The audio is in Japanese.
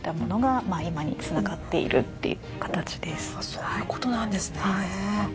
そういう事なんですね。